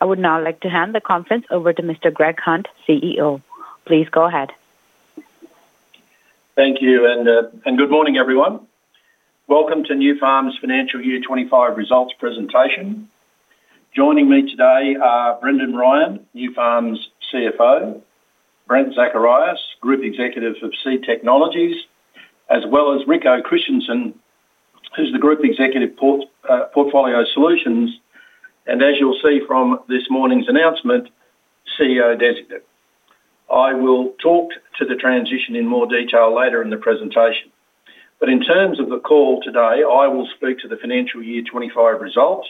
I would now like to hand the conference over to Mr. Greg Hunt, CEO. Please go ahead. Thank you, and good morning, everyone. Welcome to Nufarm's financial year 2025 results presentation. Joining me today are Brendan Ryan, Nufarm's CFO, Brent Zacharias, Group Executive of Seed Technologies, as well as Rico Christensen, who's the Group Executive of Portfolio Solutions, and, as you'll see from this morning's announcement, CEO Designate. I will talk to the transition in more detail later in the presentation. In terms of the call today, I will speak to the financial year 2025 results,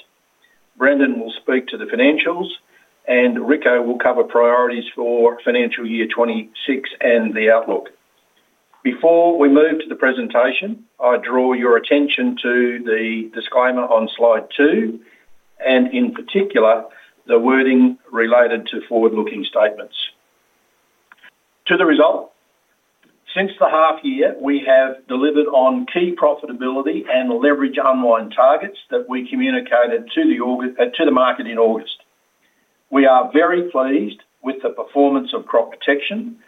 Brendan will speak to the financials, and Rico will cover priorities for financial year 2026 and the outlook. Before we move to the presentation, I draw your attention to the disclaimer on slide two and, in particular, the wording related to forward-looking statements. To the result, since the half-year, we have delivered on key profitability and leverage online targets that we communicated to the market in August. We are very pleased with the performance of Crop Protection,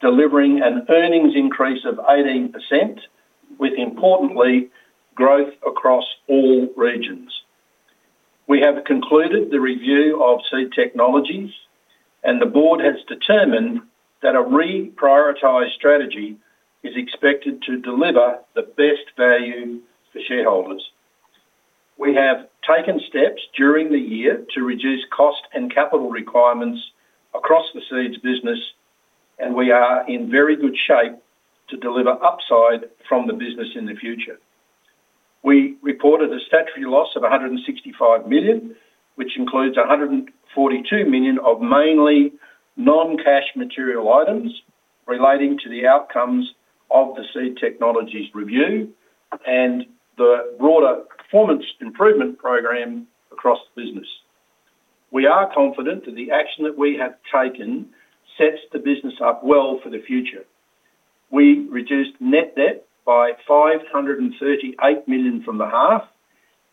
delivering an earnings increase of 18%, with, importantly, growth across all regions. We have concluded the review of Seed Technologies, and the board has determined that a reprioritized strategy is expected to deliver the best value for shareholders. We have taken steps during the year to reduce cost and capital requirements across the seeds business, and we are in very good shape to deliver upside from the business in the future. We reported a statutory loss of 165 million, which includes 142 million of mainly non-cash material items relating to the outcomes of the Seed Technologies review and the broader performance improvement program across the business. We are confident that the action that we have taken sets the business up well for the future. We reduced net debt by 538 million from the half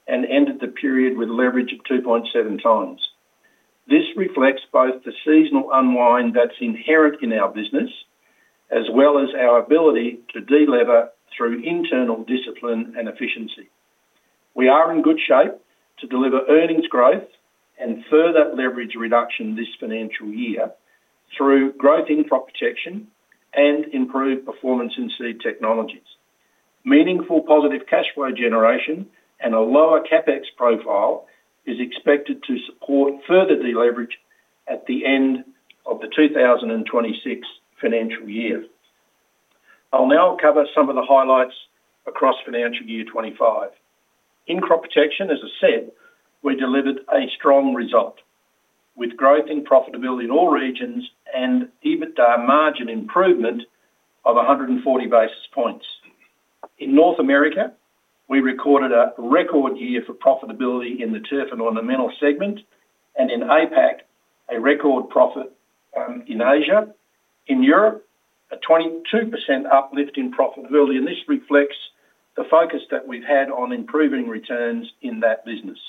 and ended the period with leverage at 2.7 times. This reflects both the seasonal unwind that is inherent in our business as well as our ability to delever through internal discipline and efficiency. We are in good shape to deliver earnings growth and further leverage reduction this financial year through growth in Crop Protection and improved performance in Seed Technologies. Meaningful positive cash flow generation and a lower CapEx profile is expected to support further deleverage at the end of the 2026 financial year. I'll now cover some of the highlights across financial year 2025. In Crop Protection, as I said, we delivered a strong result with growth in profitability in all regions and EBITDA margin improvement of 140 basis points. In North America, we recorded a record year for profitability in the turf and ornamental segment, and in APAC, a record profit in Asia. In Europe, a 22% uplift in profitability, and this reflects the focus that we've had on improving returns in that business.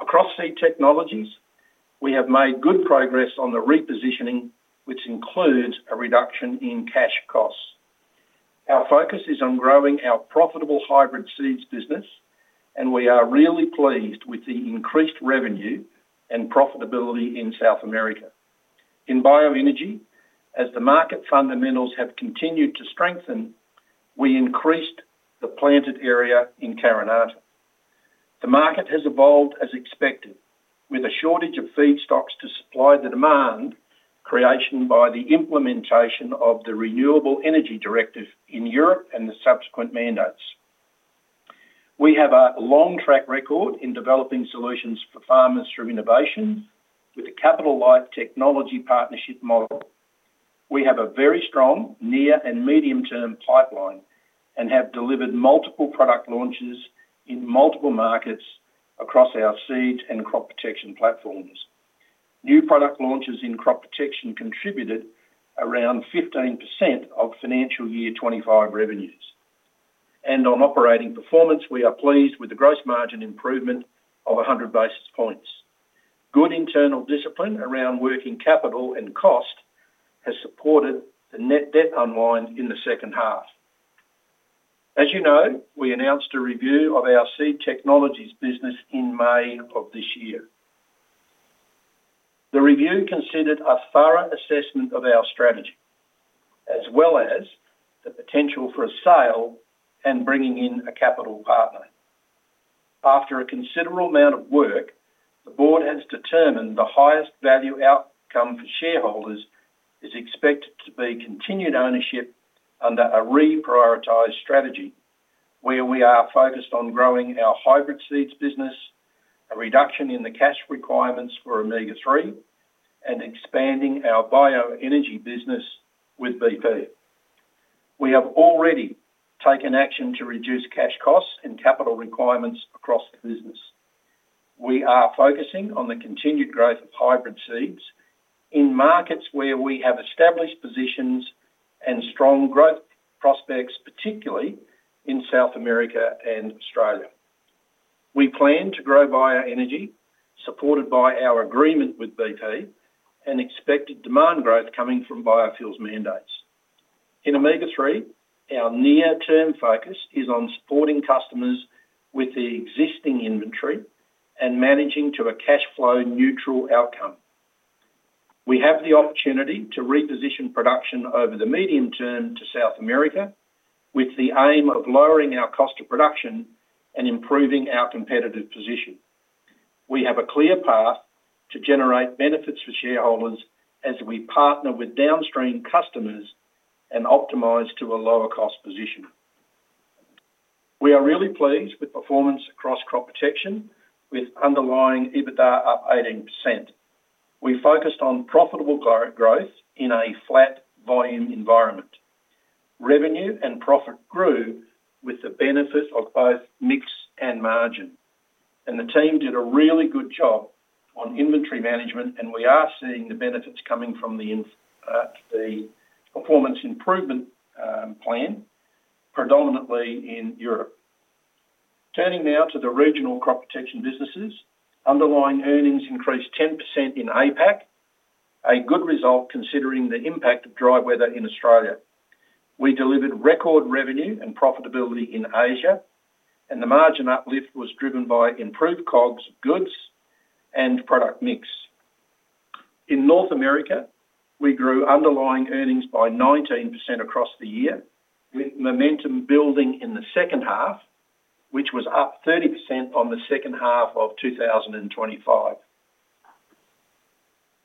Across Seed Technologies, we have made good progress on the repositioning, which includes a reduction in cash costs. Our focus is on growing our profitable hybrid seeds business, and we are really pleased with the increased revenue and profitability in South America. In bioenergy, as the market fundamentals have continued to strengthen, we increased the planted area in Karnataka. The market has evolved as expected, with a shortage of feedstocks to supply the demand creation by the implementation of the Renewable Energy Directive in Europe and the subsequent mandates. We have a long track record in developing solutions for farmers through innovation with the Capital Life Technology Partnership model. We have a very strong near and medium-term pipeline and have delivered multiple product launches in multiple markets across our seeds and crop protection platforms. New product launches in crop protection contributed around 15% of financial year 2025 revenues. On operating performance, we are pleased with the gross margin improvement of 100 basis points. Good internal discipline around working capital and cost has supported the net debt unwind in the second half. As you know, we announced a review of our Seed Technologies business in May of this year. The review considered a thorough assessment of our strategy, as well as the potential for a sale and bringing in a capital partner. After a considerable amount of work, the board has determined the highest value outcome for shareholders is expected to be continued ownership under a reprioritized strategy where we are focused on growing our hybrid seeds business, a reduction in the cash requirements for Omega 3, and expanding our bioenergy business with BP. We have already taken action to reduce cash costs and capital requirements across the business. We are focusing on the continued growth of hybrid seeds in markets where we have established positions and strong growth prospects, particularly in South America and Australia. We plan to grow bioenergy supported by our agreement with BP and expected demand growth coming from biofuels mandates. In Omega 3, our near-term focus is on supporting customers with the existing inventory and managing to a cash flow neutral outcome. We have the opportunity to reposition production over the medium term to South America with the aim of lowering our cost of production and improving our competitive position. We have a clear path to generate benefits for shareholders as we partner with downstream customers and optimize to a lower cost position. We are really pleased with performance across crop protection with underlying EBITDA up 18%. We focused on profitable growth in a flat volume environment. Revenue and profit grew with the benefit of both mix and margin, and the team did a really good job on inventory management, and we are seeing the benefits coming from the performance improvement plan, predominantly in Europe. Turning now to the regional crop protection businesses, underlying earnings increased 10% in APAC, a good result considering the impact of dry weather in Australia. We delivered record revenue and profitability in Asia, and the margin uplift was driven by improved COGS, goods, and product mix. In North America, we grew underlying earnings by 19% across the year with momentum building in the second half, which was up 30% on the second half of 2025.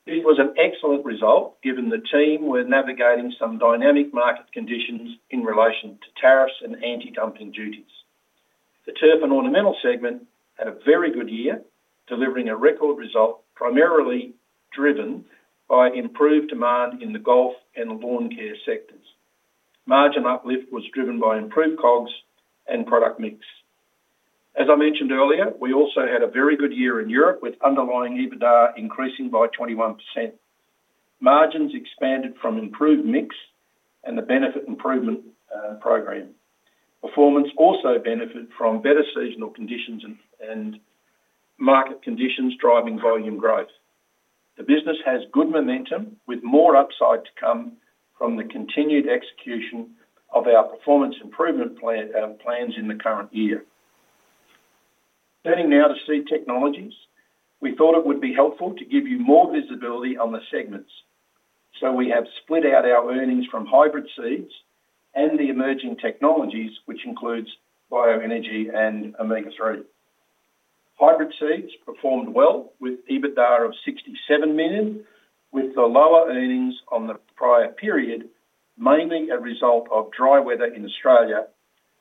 This was an excellent result given the team were navigating some dynamic market conditions in relation to tariffs and anti-dumping duties. The Turf and Ornamental segment had a very good year, delivering a record result primarily driven by improved demand in the Gulf and lawn care sectors. Margin uplift was driven by improved COGS and product mix. As I mentioned earlier, we also had a very good year in Europe with underlying EBITDA increasing by 21%. Margins expanded from improved mix and the benefit improvement program. Performance also benefited from better seasonal conditions and market conditions driving volume growth. The business has good momentum with more upside to come from the continued execution of our performance improvement plans in the current year. Turning now to Seed Technologies, we thought it would be helpful to give you more visibility on the segments, so we have split out our earnings from hybrid seeds and the emerging technologies, which includes bioenergy and Omega 3. Hybrid seeds performed well with EBITDA of 67 million, with the lower earnings on the prior period mainly a result of dry weather in Australia,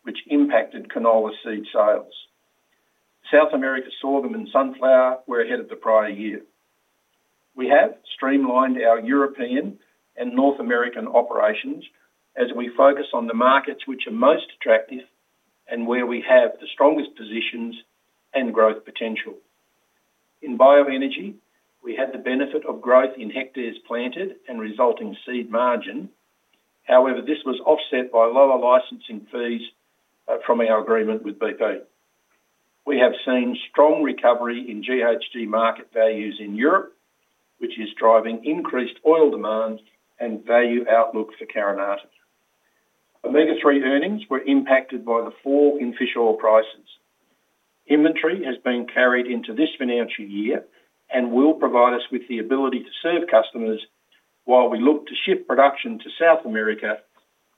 which impacted canola seed sales. South America saw them in sunflower, were ahead of the prior year. We have streamlined our European and North American operations as we focus on the markets which are most attractive and where we have the strongest positions and growth potential. In bioenergy, we had the benefit of growth in hectares planted and resulting seed margin. However, this was offset by lower licensing fees from our agreement with BP. We have seen strong recovery in GHG market values in Europe, which is driving increased oil demand and value outlook for Karnataka. Omega 3 earnings were impacted by the fall in fish oil prices. Inventory has been carried into this financial year and will provide us with the ability to serve customers while we look to shift production to South America,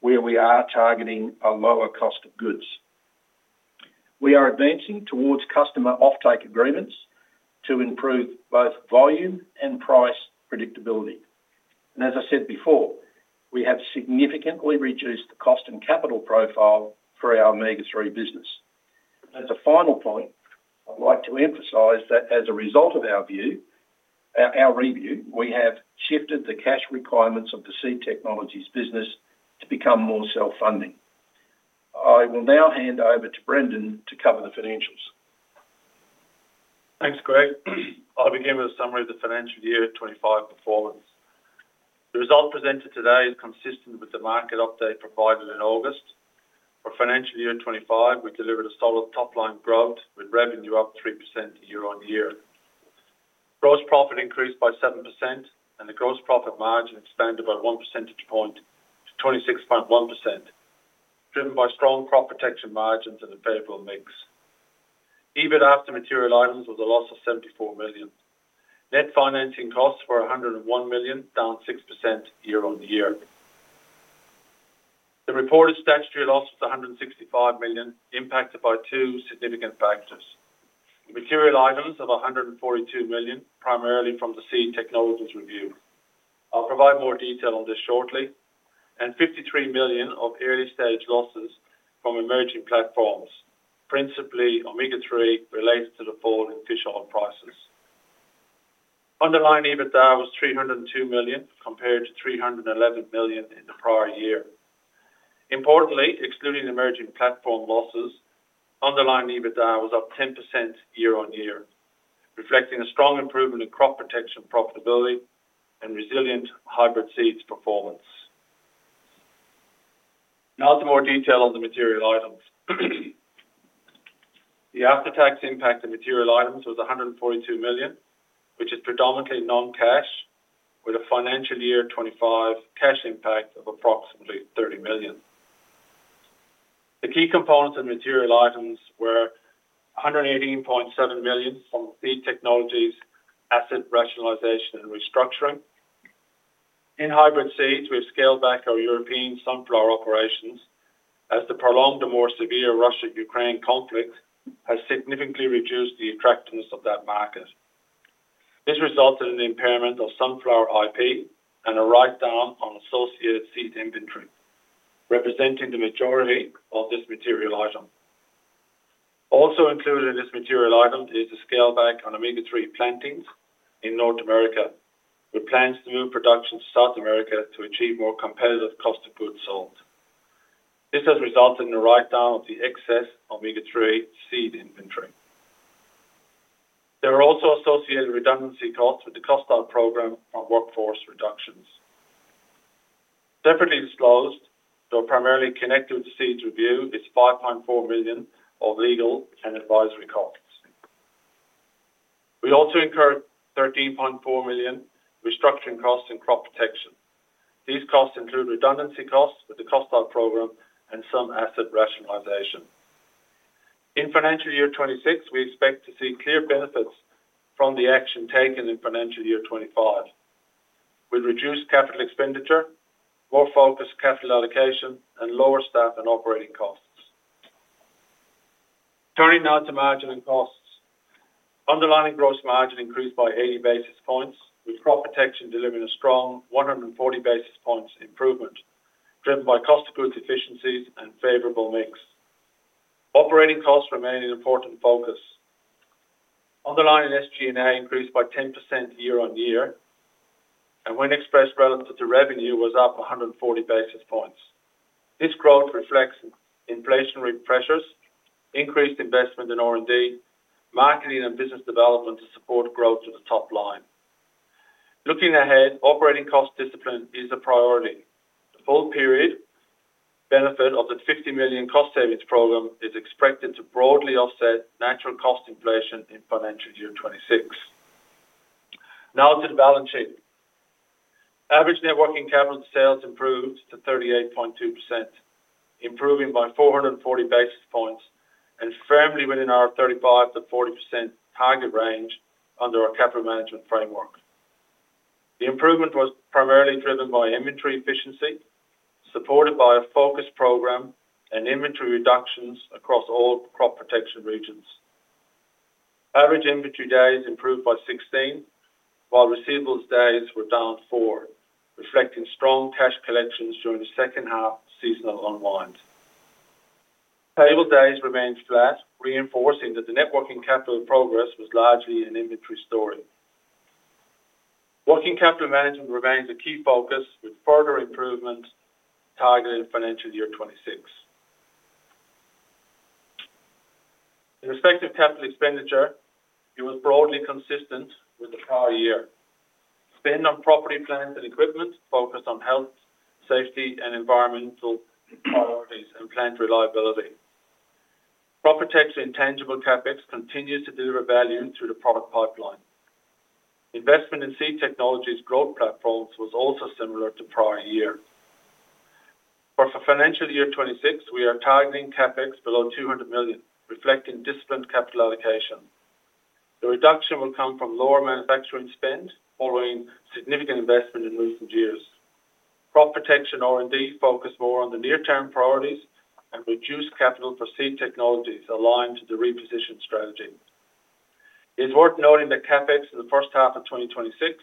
where we are targeting a lower cost of goods. We are advancing towards customer offtake agreements to improve both volume and price predictability. As I said before, we have significantly reduced the cost and capital profile for our Omega 3 business. As a final point, I'd like to emphasize that as a result of our review, we have shifted the cash requirements of the Seed Technologies business to become more self-funding. I will now hand over to Brendan to cover the financials. Thanks, Greg. I'll begin with a summary of the financial year 2025 performance. The result presented today is consistent with the market update provided in August. For financial year 2025, we delivered a solid top-line growth with revenue up 3% year-on-year. Gross profit increased by 7%, and the gross profit margin expanded by 1 percentage point to 26.1%, driven by strong crop protection margins and a favorable mix. EBITDA after material items was a loss of 74 million. Net financing costs were 101 million, down 6% year-on-year. The reported statutory loss was 165 million, impacted by two significant factors. Material items of 142 million, primarily from the Seed Technologies review. I'll provide more detail on this shortly. $53 million of early-stage losses from emerging platforms, principally Omega 3 related to the fall in fish oil prices. Underlying EBITDA was $302 million compared to $311 million in the prior year. Importantly, excluding emerging platform losses, underlying EBITDA was up 10% year-on-year, reflecting a strong improvement in crop protection profitability and resilient hybrid seeds performance. Now to more detail on the material items. The after-tax impact of material items was $142 million, which is predominantly non-cash, with a financial year 2025 cash impact of approximately $30 million. The key components of material items were $118.7 million from Seed Technologies asset rationalization and restructuring. In hybrid seeds, we have scaled back our European sunflower operations as the prolonged and more severe Russia-Ukraine conflict has significantly reduced the attractiveness of that market. This resulted in the impairment of sunflower IP and a write-down on associated seed inventory, representing the majority of this material item. Also included in this material item is the scale back on Omega 3 plantings in North America, with plans to move production to South America to achieve more competitive cost of goods sold. This has resulted in a write-down of the excess Omega 3 seed inventory. There are also associated redundancy costs with the cost of our program and workforce reductions. Separately disclosed, though primarily connected with the seeds review, is 5.4 million of legal and advisory costs. We also incurred 13.4 million restructuring costs in crop protection. These costs include redundancy costs with the cost of our program and some asset rationalization. In financial year 2026, we expect to see clear benefits from the action taken in financial year 2025, with reduced capital expenditure, more focused capital allocation, and lower staff and operating costs. Turning now to margin and costs. Underlying gross margin increased by 80 basis points, with crop protection delivering a strong 140 basis points improvement driven by cost of goods efficiencies and favorable mix. Operating costs remain an important focus. Underlying SG&A increased by 10% year-on-year, and when expressed relative to revenue, was up 140 basis points. This growth reflects inflationary pressures, increased investment in R&D, marketing, and business development to support growth to the top line. Looking ahead, operating cost discipline is a priority. The full period benefit of the 50 million cost savings program is expected to broadly offset natural cost inflation in financial year 2026. Now to the balance sheet. Average net working capital sales improved to 38.2%, improving by 440 basis points and firmly within our 35-40% target range under our capital management framework. The improvement was primarily driven by inventory efficiency, supported by a focused program and inventory reductions across all crop protection regions. Average inventory days improved by 16, while receivables days were down 4, reflecting strong cash collections during the second half seasonal unwind. Payable days remained flat, reinforcing that the net working capital progress was largely an inventory story. Working capital management remains a key focus, with further improvements targeted in financial year 2026. In respect of capital expenditure, it was broadly consistent with the prior year. Spend on property, plants, and equipment focused on health, safety, and environmental priorities and plant reliability. Property tax and intangible CapEx continues to deliver value through the product pipeline. Investment in Seed Technologies growth platforms was also similar to prior year. For financial year 2026, we are targeting CapEx below 200 million, reflecting disciplined capital allocation. The reduction will come from lower manufacturing spend following significant investment in recent years. Crop protection R&D focused more on the near-term priorities and reduced capital for Seed Technologies aligned to the reposition strategy. It is worth noting that CapEx in the first half of 2026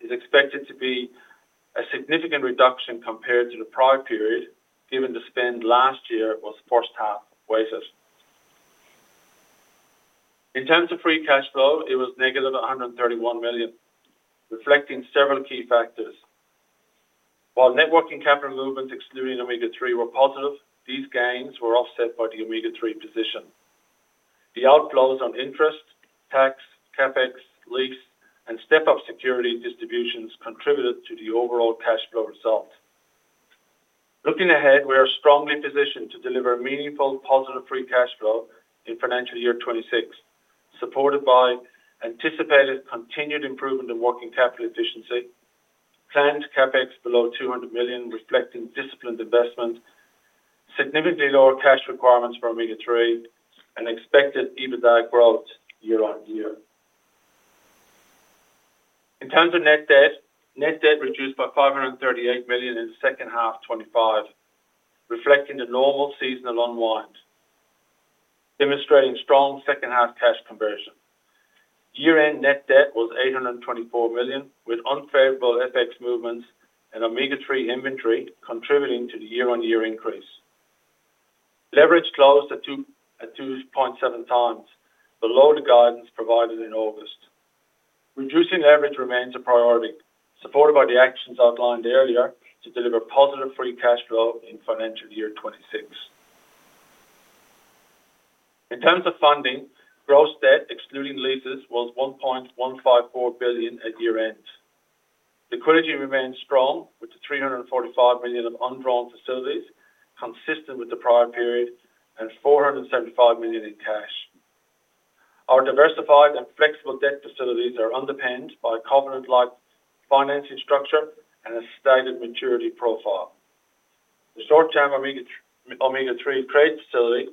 is expected to be a significant reduction compared to the prior period, given the spend last year was first half weighted. In terms of free cash flow, it was negative 131 million, reflecting several key factors. While net working capital movements excluding Omega 3 were positive, these gains were offset by the Omega 3 position. The outflows on interest, tax, CapEx, lease, and step-up security distributions contributed to the overall cash flow result. Looking ahead, we are strongly positioned to deliver meaningful positive free cash flow in financial year 2026, supported by anticipated continued improvement in working capital efficiency, planned CapEx below 200 million, reflecting disciplined investment, significantly lower cash requirements for Omega 3, and expected EBITDA growth year-on-year. In terms of net debt, net debt reduced by 538 million in the second half 2025, reflecting the normal seasonal unwind, demonstrating strong second-half cash conversion. Year-end net debt was 824 million, with unfavorable FX movements and Omega 3 inventory contributing to the year-on-year increase. Leverage closed at 2.7 times, below the guidance provided in August. Reducing leverage remains a priority, supported by the actions outlined earlier to deliver positive free cash flow in financial year 2026. In terms of funding, gross debt excluding leases was 1.154 billion at year-end. Liquidity remained strong with the 345 million of undrawn facilities, consistent with the prior period, and 475 million in cash. Our diversified and flexible debt facilities are underpinned by a covenant-like financing structure and a stated maturity profile. The short-term Omega 3 crate facility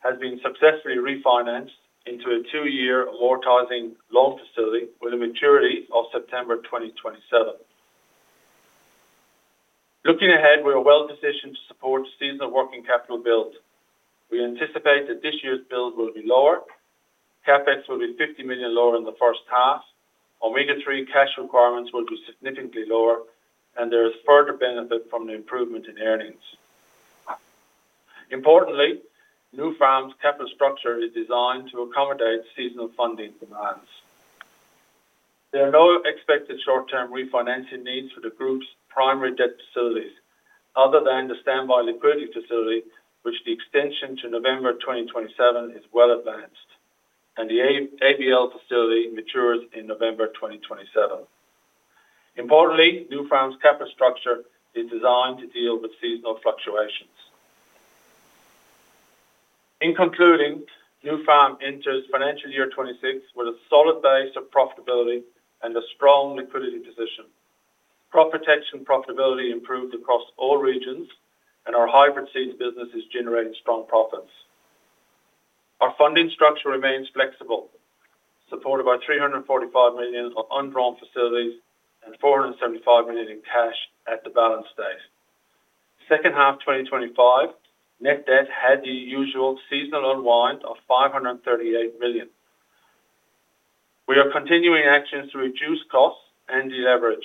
has been successfully refinanced into a two-year amortizing loan facility with a maturity of September 2027. Looking ahead, we are well positioned to support seasonal working capital build. We anticipate that this year's build will be lower. CapEx will be 50 million lower in the first half. Omega 3 cash requirements will be significantly lower, and there is further benefit from the improvement in earnings. Importantly, Nufarm's capital structure is designed to accommodate seasonal funding demands. There are no expected short-term refinancing needs for the group's primary debt facilities other than the standby liquidity facility, which the extension to November 2027 is well advanced, and the ABL facility matures in November 2027. Importantly, Nufarm's capital structure is designed to deal with seasonal fluctuations. In concluding, Nufarm enters financial year 2026 with a solid base of profitability and a strong liquidity position. Crop protection profitability improved across all regions, and our hybrid seeds business is generating strong profits. Our funding structure remains flexible, supported by 345 million of undrawn facilities and 475 million in cash at the balance state. Second half 2025, net debt had the usual seasonal unwind of 538 million. We are continuing actions to reduce costs and deleverage.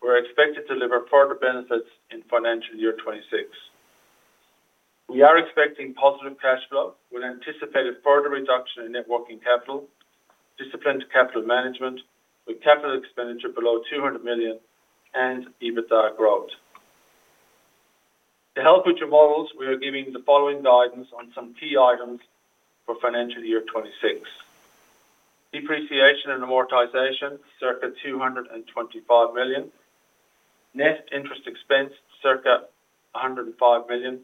We're expected to deliver further benefits in financial year 2026. We are expecting positive cash flow with anticipated further reduction in net working capital, disciplined capital management, with capital expenditure below 200 million and EBITDA growth. To help with your models, we are giving the following guidance on some key items for financial year 2026: depreciation and amortization, circa 225 million, net interest expense, circa 105 million,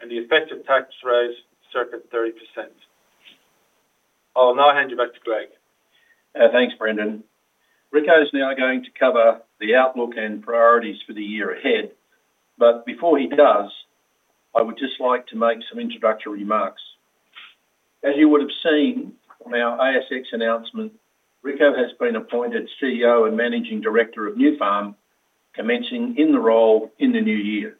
and the effective tax rate, circa 30%. I'll now hand you back to Greg. Thanks, Brendan. Rico is now going to cover the outlook and priorities for the year ahead, but before he does, I would just like to make some introductory remarks. As you would have seen from our ASX announcement, Rico has been appointed CEO and Managing Director of Nufarm, commencing in the role in the new year.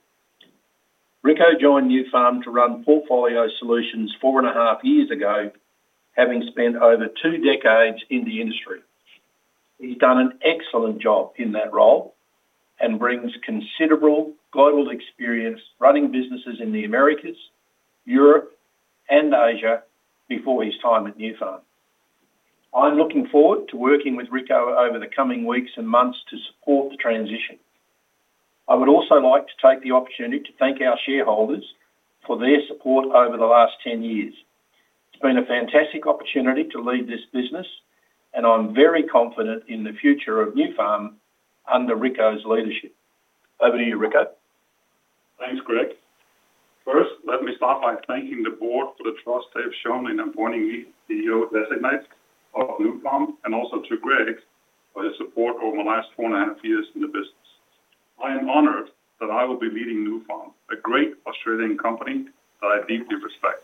Rico joined Nufarm to run portfolio solutions four and a half years ago, having spent over two decades in the industry. He's done an excellent job in that role and brings considerable global experience running businesses in the Americas, Europe, and Asia before his time at Nufarm. I'm looking forward to working with Rico over the coming weeks and months to support the transition. I would also like to take the opportunity to thank our shareholders for their support over the last 10 years. It's been a fantastic opportunity to lead this business, and I'm very confident in the future of Nufarm under Rico's leadership. Over to you, Rico. Thanks, Greg. First, let me start by thanking the board for the trust they have shown in appointing me the new designate of Nufarm and also to Greg for his support over the last four and a half years in the business. I am honored that I will be leading Nufarm, a great Australian company that I deeply respect.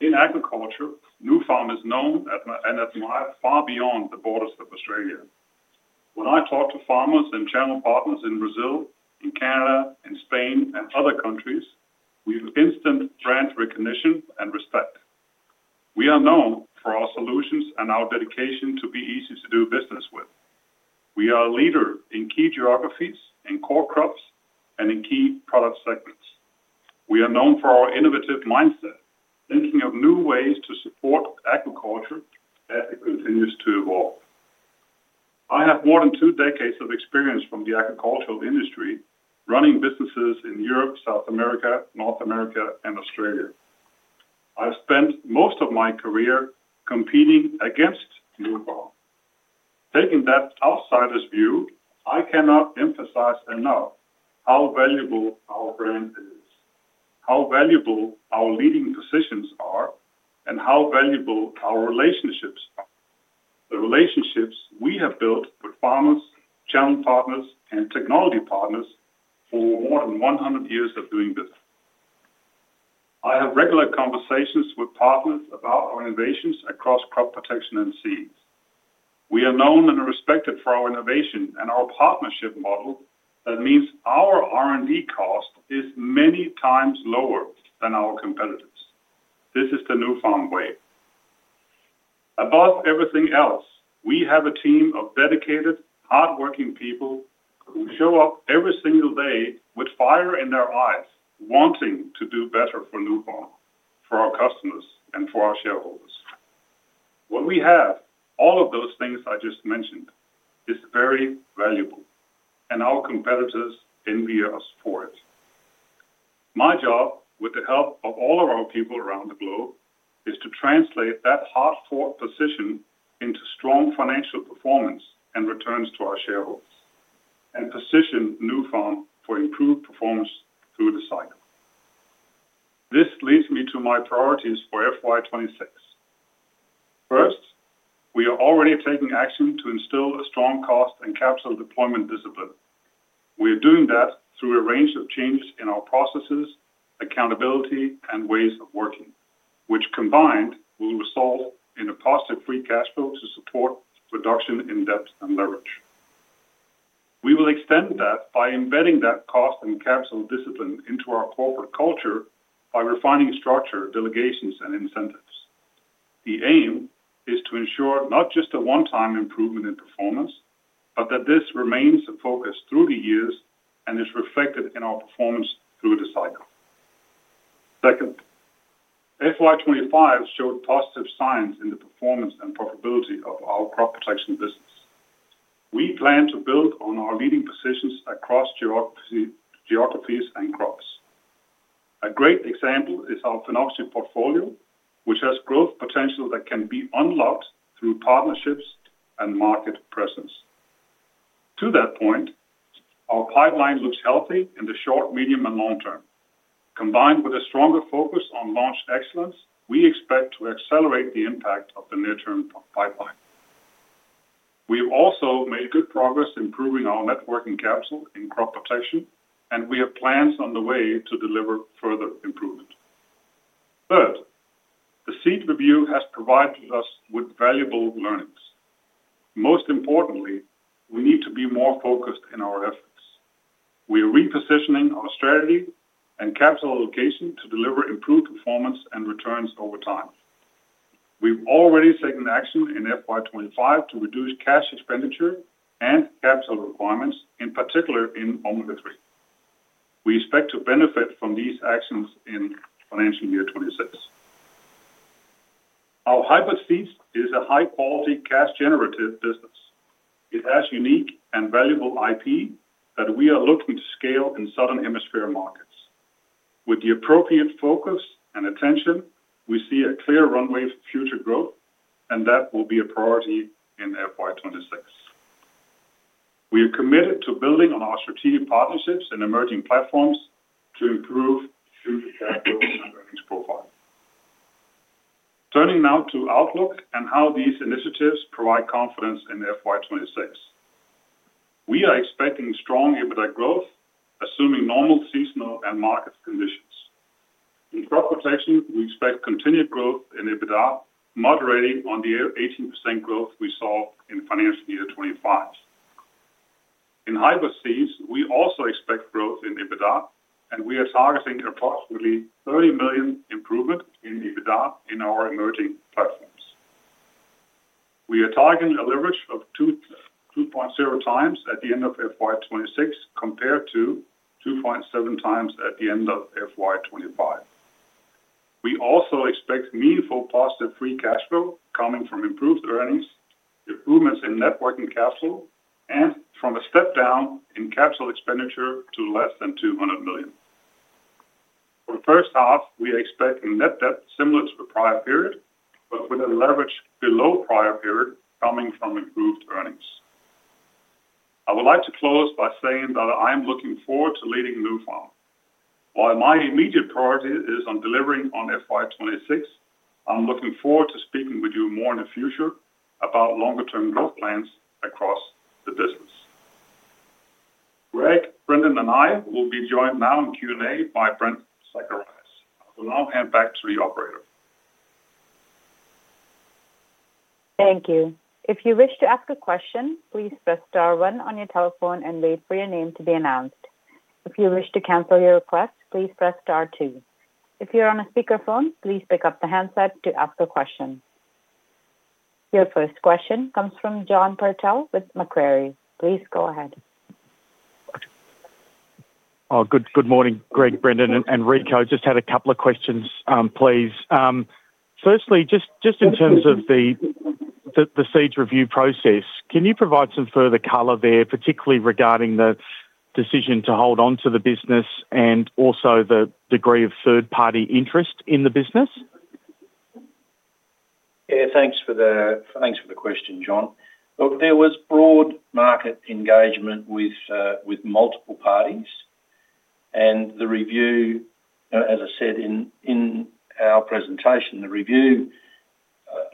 In agriculture, Nufarm is known and admired far beyond the borders of Australia. When I talk to farmers and channel partners in Brazil, in Canada, in Spain, and other countries, we have instant brand recognition and respect. We are known for our solutions and our dedication to be easy to do business with. We are a leader in key geographies, in core crops, and in key product segments. We are known for our innovative mindset, thinking of new ways to support agriculture as it continues to evolve. I have more than two decades of experience from the agricultural industry, running businesses in Europe, South America, North America, and Australia. I've spent most of my career competing against Nufarm. Taking that outsider's view, I cannot emphasize enough how valuable our brand is, how valuable our leading positions are, and how valuable our relationships are, the relationships we have built with farmers, channel partners, and technology partners for more than 100 years of doing business. I have regular conversations with partners about our innovations across crop protection and seeds. We are known and respected for our innovation and our partnership model that means our R&D cost is many times lower than our competitors. This is the Nufarm way. Above everything else, we have a team of dedicated, hardworking people who show up every single day with fire in their eyes, wanting to do better for Nufarm, for our customers, and for our shareholders. What we have, all of those things I just mentioned, is very valuable, and our competitors envy us for it. My job, with the help of all of our people around the globe, is to translate that hard-fought position into strong financial performance and returns to our shareholders and position Nufarm for improved performance through the cycle. This leads me to my priorities for FY 2026. First, we are already taking action to instill a strong cost and capital deployment discipline. We are doing that through a range of changes in our processes, accountability, and ways of working, which combined will result in a positive free cash flow to support production in depth and leverage. We will extend that by embedding that cost and capital discipline into our corporate culture by refining structure, delegations, and incentives. The aim is to ensure not just a one-time improvement in performance, but that this remains a focus through the years and is reflected in our performance through the cycle. Second, fiscal year 2025 showed positive signs in the performance and profitability of our crop protection business. We plan to build on our leading positions across geographies and crops. A great example is our Phenoxy Portfolio, which has growth potential that can be unlocked through partnerships and market presence. To that point, our pipeline looks healthy in the short, medium, and long term. Combined with a stronger focus on launch excellence, we expect to accelerate the impact of the near-term pipeline. We have also made good progress improving our network and capital in crop protection, and we have plans on the way to deliver further improvement. Third, the seed review has provided us with valuable learnings. Most importantly, we need to be more focused in our efforts. We are repositioning our strategy and capital allocation to deliver improved performance and returns over time. We've already taken action in FY2025 to reduce cash expenditure and capital requirements, in particular in Omega 3. We expect to benefit from these actions in financial year 2026. Our hybrid seeds is a high-quality cash-generative business. It has unique and valuable IP that we are looking to scale in Southern Hemisphere markets. With the appropriate focus and attention, we see a clear runway for future growth, and that will be a priority in FY2026. We are committed to building on our strategic partnerships and emerging platforms to improve future cash flow and earnings profile. Turning now to outlook and how these initiatives provide confidence in FY2026. We are expecting strong EBITDA growth, assuming normal seasonal and market conditions. In crop protection, we expect continued growth in EBITDA, moderating on the 18% growth we saw in financial year 2025. In hybrid seeds, we also expect growth in EBITDA, and we are targeting approximately 30 million improvement in EBITDA in our emerging platforms. We are targeting a leverage of 2.0 times at the end of FY2026 compared to 2.7 times at the end of FY2025. We also expect meaningful positive free cash flow coming from improved earnings, improvements in working capital, and from a step down in capital expenditure to less than 200 million. For the first half, we expect net debt similar to the prior period, but with a leverage below prior period coming from improved earnings. I would like to close by saying that I am looking forward to leading Nufarm. While my immediate priority is on delivering on FY2026, I'm looking forward to speaking with you more in the future about longer-term growth plans across the business. Greg, Brendan, and I will be joined now in Q&A by Brent Zacharias. I will now hand back to the operator. Thank you. If you wish to ask a question, please press star one on your telephone and wait for your name to be announced. If you wish to cancel your request, please press star two. If you're on a speakerphone, please pick up the handset to ask a question. Your first question comes from John Purtell with Macquarie. Please go ahead. Good morning, Greg, Brendan, and Rico. Just had a couple of questions, please. Firstly, just in terms of the seeds review process, can you provide some further color there, particularly regarding the decision to hold on to the business and also the degree of third-party interest in the business? Yeah, thanks for the question, John. Look, there was broad market engagement with multiple parties, and the review, as I said in our presentation, the review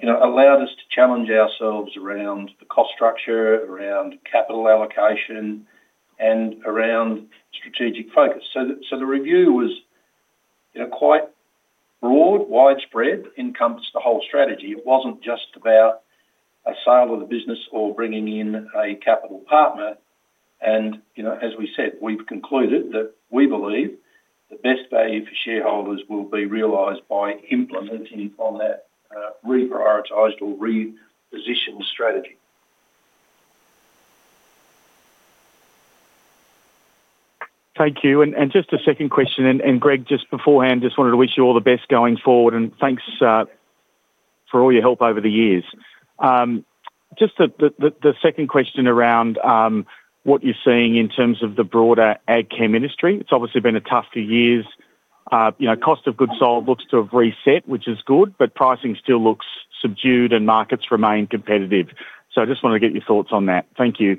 allowed us to challenge ourselves around the cost structure, around capital allocation, and around strategic focus. The review was quite broad, widespread, encompassed the whole strategy. It was not just about a sale of the business or bringing in a capital partner. As we said, we have concluded that we believe the best value for shareholders will be realized by implementing on that reprioritized or repositioned strategy. Thank you. Just a second question. Greg, just beforehand, just wanted to wish you all the best going forward, and thanks for all your help over the years. Just the second question around what you're seeing in terms of the broader ag chem industry. It's obviously been a tough few years. Cost of goods sold looks to have reset, which is good, but pricing still looks subdued and markets remain competitive. I just wanted to get your thoughts on that. Thank you.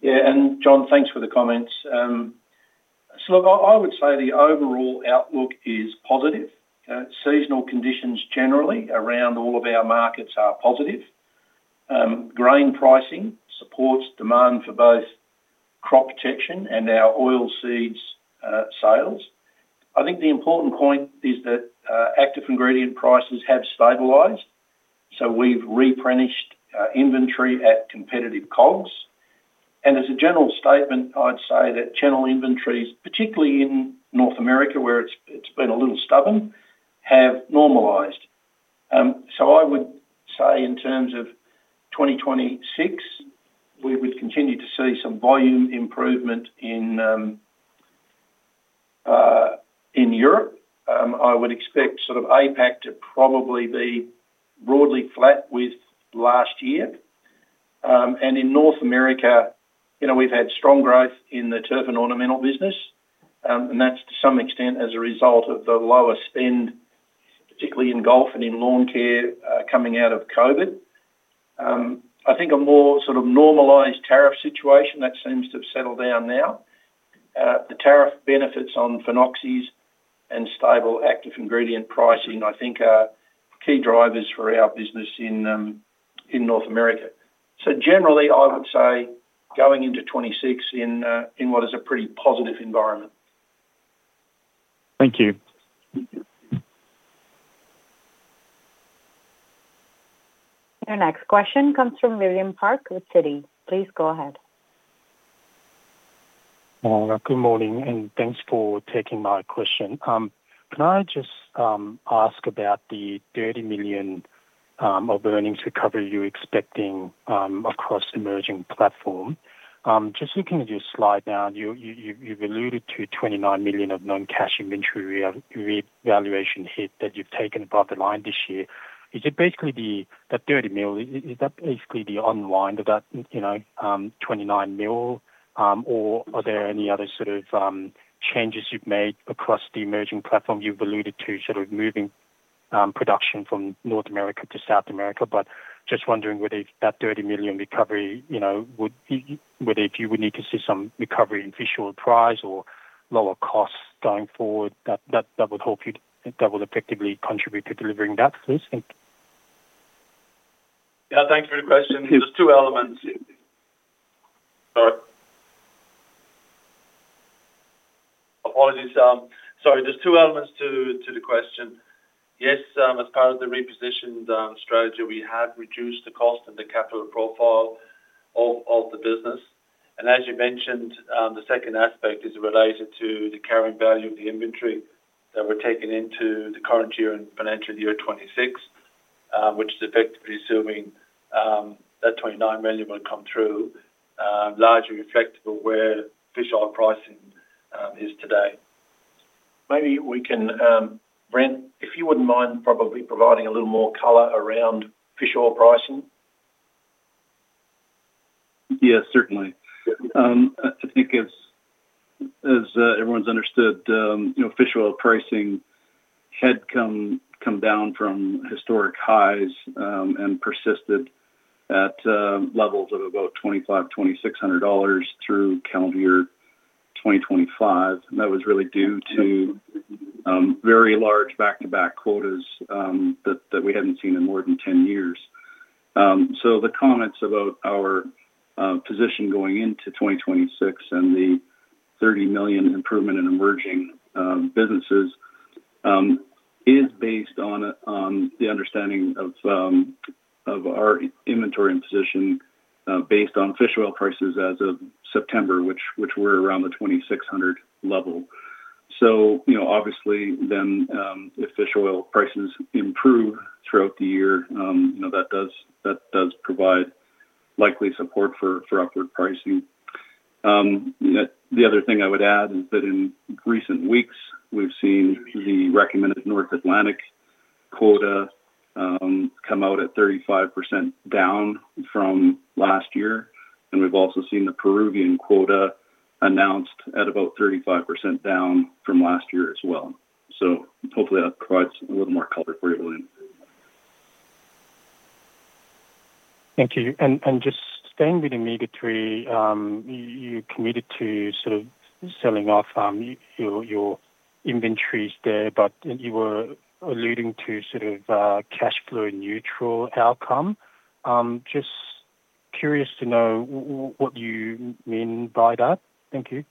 Yeah. John, thanks for the comments. I would say the overall outlook is positive. Seasonal conditions generally around all of our markets are positive. Grain pricing supports demand for both crop protection and our oil seeds sales. I think the important point is that active ingredient prices have stabilized, so we have replenished inventory at competitive COGS. As a general statement, I would say that channel inventories, particularly in North America, where it has been a little stubborn, have normalized. I would say in terms of 2026, we would continue to see some volume improvement in Europe. I would expect APAC to probably be broadly flat with last year. In North America, we have had strong growth in the turf and ornamental business, and that is to some extent as a result of the lower spend, particularly in golf and in lawn care coming out of COVID. I think a more sort of normalized tariff situation that seems to have settled down now. The tariff benefits on phenoxy and stable active ingredient pricing, I think, are key drivers for our business in North America. Generally, I would say going into 2026 in what is a pretty positive environment. Thank you. Your next question comes from William Park with Citi. Please go ahead. Good morning, and thanks for taking my question. Can I just ask about the $30 million of earnings recovery you're expecting across emerging platforms? Just looking at your slide now, you've alluded to $29 million of non-cash inventory revaluation hit that you've taken above the line this year. Is it basically the $30 million? Is that basically the unwind of that $29 million, or are there any other sort of changes you've made across the emerging platform? You've alluded to sort of moving production from North America to South America, but just wondering whether that $30 million recovery, whether you would need to see some recovery in fish oil price or lower costs going forward that would effectively contribute to delivering that, please? Yeah, thanks for the question. There are two elements. Sorry. Apologies. Sorry, there are two elements to the question. Yes, as part of the repositioned strategy, we have reduced the cost and the capital profile of the business. As you mentioned, the second aspect is related to the carrying value of the inventory that we are taking into the current year and financial year 2026, which is effectively assuming that $29 million will come through, largely reflective of where fish oil pricing is today. Maybe we can, Brent, if you would not mind, probably providing a little more color around fish oil pricing. Yeah, certainly. I think, as everyone's understood, fish oil pricing had come down from historic highs and persisted at levels of about $2,500-$2,600 through calendar year 2025. That was really due to very large back-to-back quotas that we had not seen in more than 10 years. The comments about our position going into 2026 and the $30 million improvement in emerging businesses is based on the understanding of our inventory and position based on fish oil prices as of September, which were around the $2,600 level. Obviously, if fish oil prices improve throughout the year, that does provide likely support for upward pricing. The other thing I would add is that in recent weeks, we have seen the recommended North Atlantic quota come out at 35% down from last year. We have also seen the Peruvian quota announced at about 35% down from last year as well. Hopefully, that provides a little more color for you, William. Thank you. Just staying with Immediate 3, you committed to sort of selling off your inventories there, but you were alluding to sort of cash flow neutral outcome. Just curious to know what you mean by that. Thank you.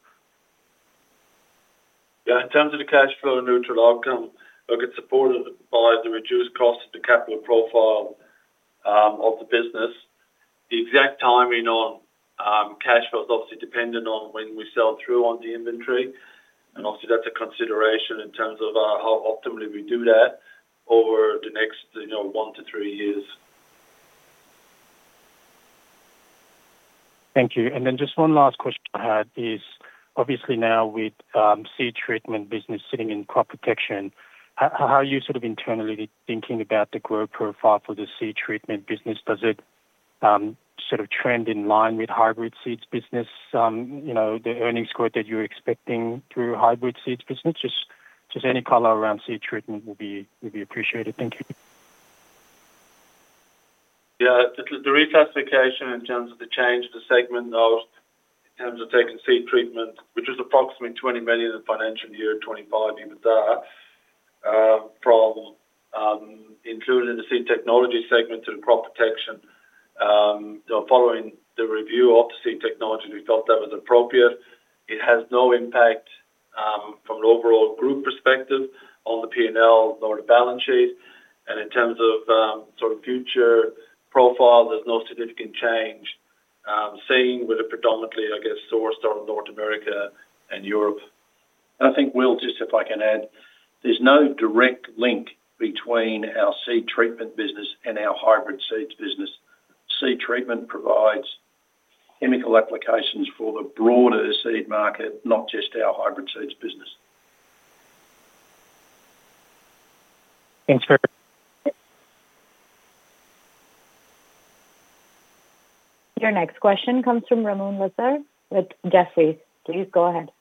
Yeah. In terms of the cash flow neutral outcome, it is supported by the reduced cost of the capital profile of the business. The exact timing on cash flow is obviously dependent on when we sell through on the inventory. Obviously, that is a consideration in terms of how optimally we do that over the next one to three years. Thank you. Just one last question I had is, obviously, now with seed treatment business sitting in crop protection, how are you sort of internally thinking about the growth profile for the seed treatment business? Does it sort of trend in line with hybrid seeds business, the earnings growth that you're expecting through hybrid seeds business? Just any color around seed treatment would be appreciated. Thank you. Yeah. Just the reclassification in terms of the change of the segment in terms of taking seed treatment, which was approximately 20 million in financial year 2025, even there, from including the seed technology segment to the crop protection, following the review of the seed technology, we felt that was appropriate. It has no impact from an overall group perspective on the P&L or the balance sheet. In terms of sort of future profile, there's no significant change seen with a predominantly, I guess, source out of North America and Europe. I think, Will, just if I can add, there's no direct link between our seed treatment business and our hybrid seeds business. Seed treatment provides chemical applications for the broader seed market, not just our hybrid seeds business. Thanks, Greg. Your next question comes from Ramon Lisser with Jefferies. Please go ahead.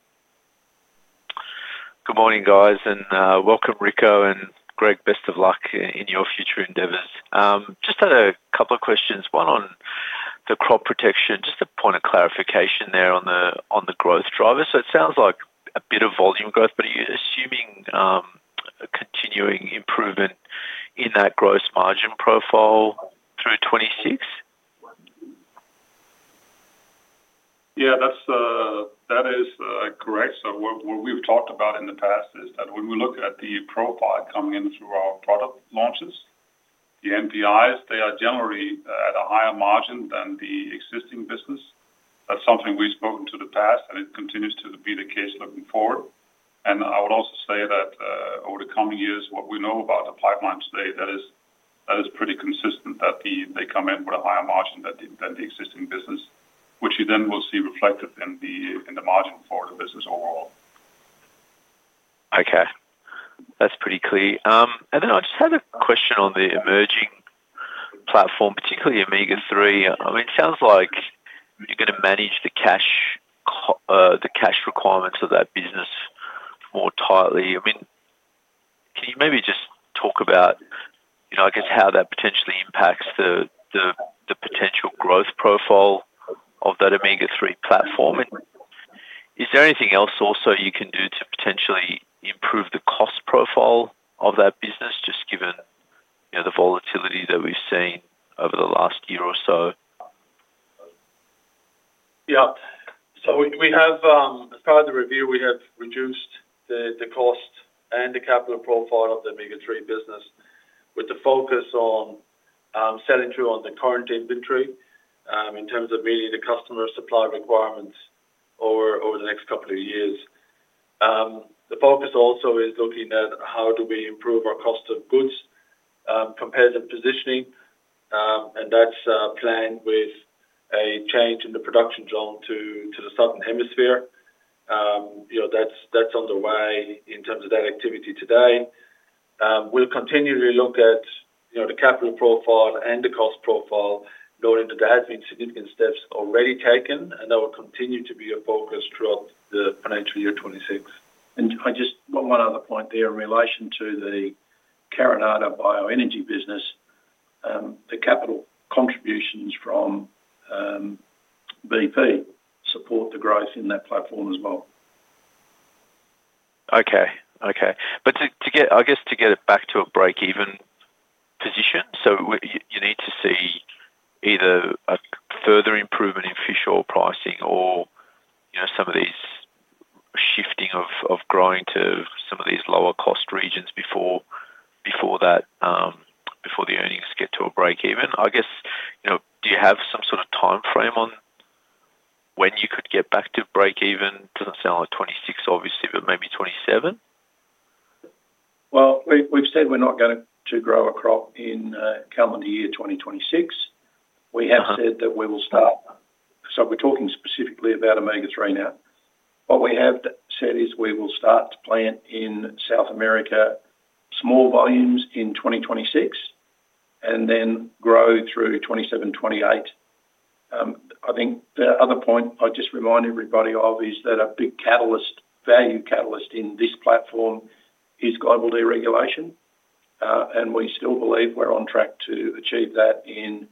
Good morning, guys. And welcome, Rico and Greg. Best of luck in your future endeavors. Just had a couple of questions. One on the crop protection, just a point of clarification there on the growth driver. So it sounds like a bit of volume growth, but are you assuming continuing improvement in that gross margin profile through 2026? Yeah, that is correct. What we've talked about in the past is that when we look at the profile coming in through our product launches, the NPIs, they are generally at a higher margin than the existing business. That's something we've spoken to in the past, and it continues to be the case looking forward. I would also say that over the coming years, what we know about the pipeline today, that is pretty consistent that they come in with a higher margin than the existing business, which you then will see reflected in the margin for the business overall. Okay. That's pretty clear. I just had a question on the emerging platform, particularly Omega 3. I mean, it sounds like you're going to manage the cash requirements of that business more tightly. I mean, can you maybe just talk about, I guess, how that potentially impacts the potential growth profile of that Omega 3 platform? Is there anything else also you can do to potentially improve the cost profile of that business, just given the volatility that we've seen over the last year or so? Yeah. As part of the review, we have reduced the cost and the capital profile of the Omega 3 business with the focus on selling through on the current inventory in terms of meeting the customer supply requirements over the next couple of years. The focus also is looking at how do we improve our cost of goods, competitive positioning, and that is planned with a change in the production zone to the Southern Hemisphere. That is underway in terms of that activity today. We will continually look at the capital profile and the cost profile, noting that there have been significant steps already taken, and that will continue to be a focus throughout the financial year 2026. Just one other point there in relation to the Carinata Bioenergy business, the capital contributions from BP support the growth in that platform as well. Okay. Okay. I guess to get it back to a break-even position, you need to see either a further improvement in fish oil pricing or some of this shifting of growing to some of these lower-cost regions before the earnings get to a break-even. I guess, do you have some sort of timeframe on when you could get back to break-even? Doesn't sound like 2026, obviously, but maybe 2027? We have said we are not going to grow a crop in calendar year 2026. We have said that we will start—so we are talking specifically about Omega 3 now. What we have said is we will start to plant in South America small volumes in 2026 and then grow through 2027, 2028. I think the other point I would just remind everybody of is that a big value catalyst in this platform is global deregulation. We still believe we are on track to achieve that in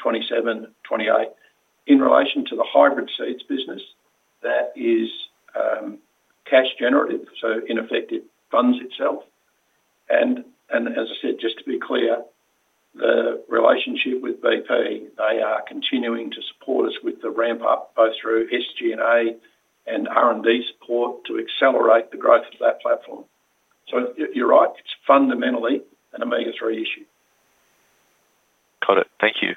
2027, 2028. In relation to the hybrid seeds business, that is cash-generative, so in effect, it funds itself. As I said, just to be clear, the relationship with BP, they are continuing to support us with the ramp-up, both through SG&A and R&D support, to accelerate the growth of that platform. You are right. It is fundamentally an Omega 3 issue. Got it. Thank you.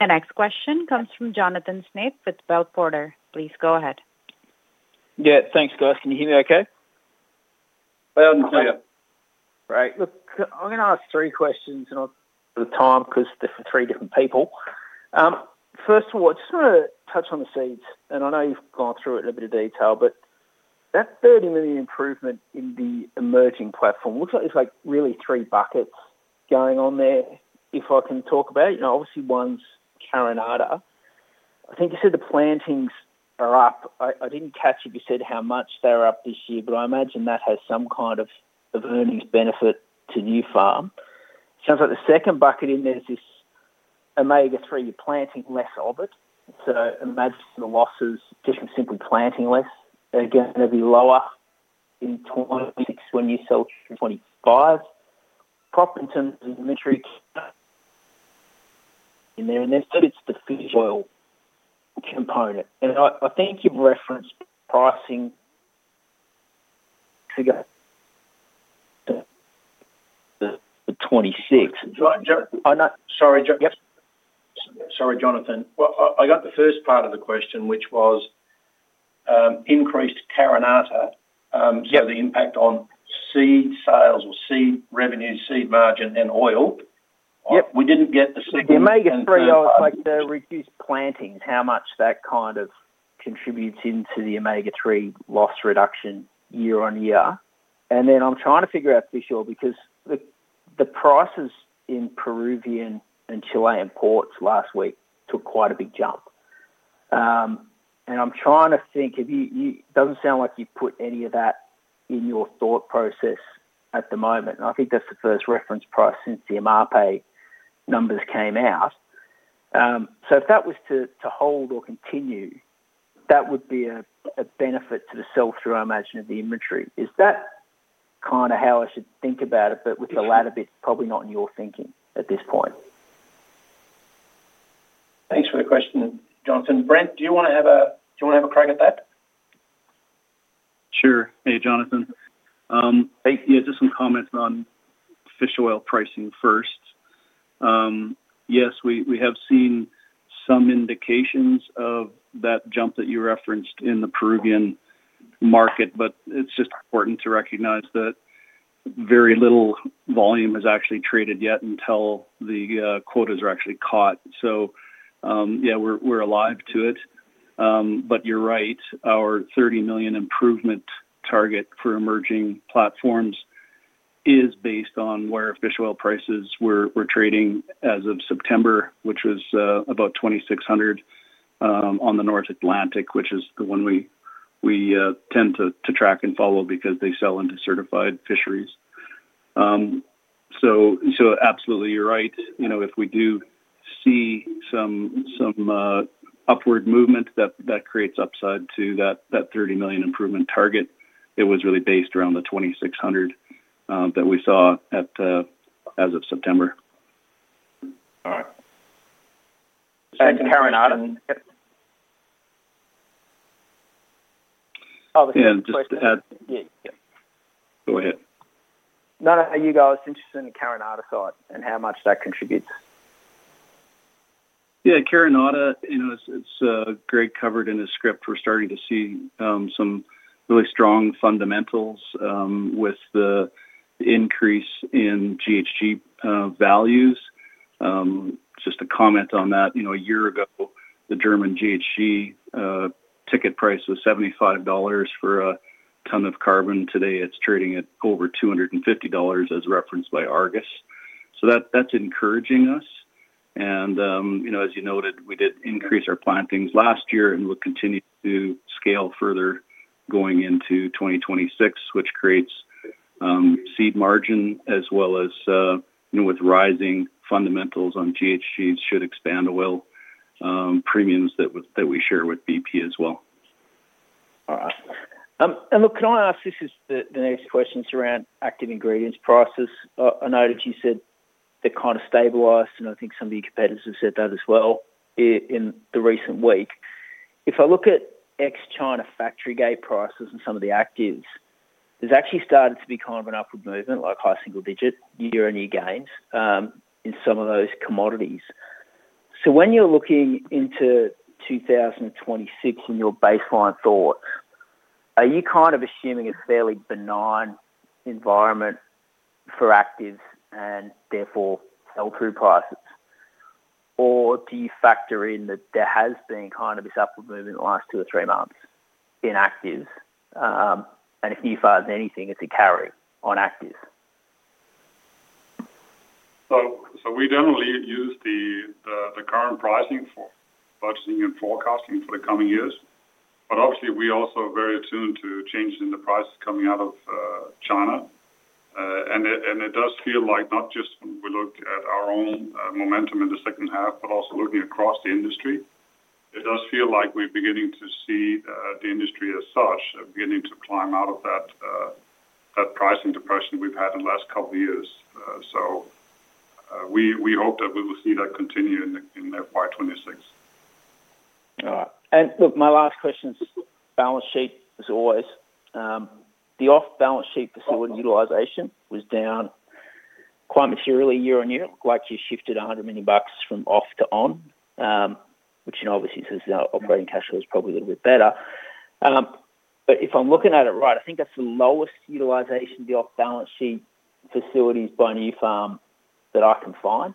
The next question comes from Jonathan Snape with Bell Potter. Please go ahead. Yeah. Thanks, guys. Can you hear me okay? Loud and clear. Great. Look, I'm going to ask three questions, and I'll split the time because they're for three different people. First of all, I just want to touch on the seeds. And I know you've gone through it in a bit of detail, but that 30 million improvement in the emerging platform looks like there's really three buckets going on there, if I can talk about it. Obviously, one's Carinata. I think you said the plantings are up. I didn't catch if you said how much they're up this year, but I imagine that has some kind of earnings benefit to Nufarm. Sounds like the second bucket in there is this Omega 3. You're planting less of it. So imagine the losses, just simply planting less, are going to be lower in 2026 when you sell through 2025. Crop in terms of inventory in there, and then it's the fish oil component. I think you've referenced pricing for the 2026. Sorry, Jonathan. I got the first part of the question, which was increased Carinata, so the impact on seed sales or seed revenue, seed margin, and oil. We did not get the second. The Omega 3, I was like, the reduced plantings, how much that kind of contributes into the Omega 3 loss reduction year-on-year. Then I'm trying to figure out fish oil because the prices in Peruvian and Chilean ports last week took quite a big jump. I'm trying to think if you—it doesn't sound like you've put any of that in your thought process at the moment. I think that's the first reference price since the MRP numbers came out. If that was to hold or continue, that would be a benefit to the sell-through, I imagine, of the inventory. Is that kind of how I should think about it? With the latter bit, probably not in your thinking at this point. Thanks for the question, Jonathan. Brent, do you want to have a—do you want to have a crack at that? Sure. Hey, Jonathan. Yeah, just some comments on fish oil pricing first. Yes, we have seen some indications of that jump that you referenced in the Peruvian market, but it is just important to recognize that very little volume has actually traded yet until the quotas are actually caught. Yeah, we are alive to it. You are right. Our $30 million improvement target for emerging platforms is based on where fish oil prices were trading as of September, which was about $2,600 on the North Atlantic, which is the one we tend to track and follow because they sell into certified fisheries. Absolutely, you are right. If we do see some upward movement, that creates upside to that $30 million improvement target. It was really based around the $2,600 that we saw as of September. All right. Carinata? Oh, the question. Yeah. Just to add—yeah. Go ahead. No, no. Are you guys interested in Carinata though and how much that contributes? Yeah. Carinata, it's great, covered in the script. We're starting to see some really strong fundamentals with the increase in GHG values. Just a comment on that. A year ago, the German GHG ticket price was $75 for a ton of carbon. Today, it's trading at over $250, as referenced by Argus. That is encouraging us. As you noted, we did increase our plantings last year and will continue to scale further going into 2026, which creates seed margin as well as, with rising fundamentals on GHG, should expand oil premiums that we share with BP as well. All right. Look, can I ask? This is the next question. It is around active ingredient prices. I noted you said they are kind of stabilized, and I think some of your competitors have said that as well in the recent week. If I look at ex-China factory gate prices and some of the actives, there has actually started to be kind of an upward movement, like high single-digit year-on-year gains in some of those commodities. When you are looking into 2026 in your baseline thoughts, are you kind of assuming a fairly benign environment for actives and therefore sell-through prices? Or do you factor in that there has been kind of this upward movement in the last two or three months in actives? If Nufarm is anything, it is a carry on actives. We generally use the current pricing for budgeting and forecasting for the coming years. Obviously, we're also very attuned to changes in the prices coming out of China. It does feel like not just when we look at our own momentum in the second half, but also looking across the industry, it does feel like we're beginning to see the industry as such beginning to climb out of that pricing depression we've had in the last couple of years. We hope that we will see that continue in FY2026. All right. My last question is balance sheet, as always. The off-balance sheet facility utilization was down quite materially year-on-year. Looks like you shifted 100 million bucks from off to on, which obviously says operating cash flow is probably a little bit better. If I am looking at it right, I think that is the lowest utilization of the off-balance sheet facilities by Nufarm that I can find.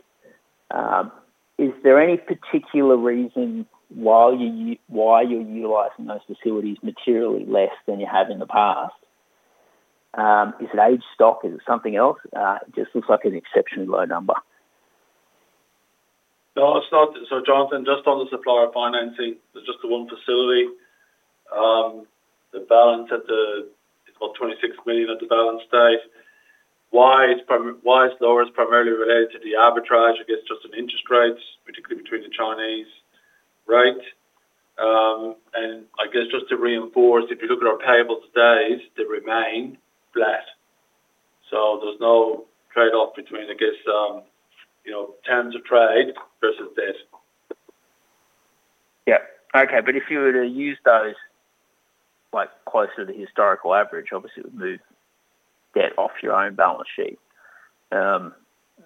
Is there any particular reason why you are utilizing those facilities materially less than you have in the past? Is it aged stock? Is it something else? It just looks like an exceptionally low number. No, it's not. Jonathan, just on the supplier financing, there's just the one facility. The balance at the—it's about 26 million at the balance stage. Why it's lower is primarily related to the arbitrage against just the interest rates, particularly between the Chinese rate. I guess just to reinforce, if you look at our payables today, they remain flat. There's no trade-off between, I guess, terms of trade versus debt. Yeah. Okay. If you were to use those closer to the historical average, obviously, it would move debt off your own balance sheet. It